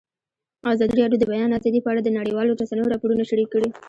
ازادي راډیو د د بیان آزادي په اړه د نړیوالو رسنیو راپورونه شریک کړي.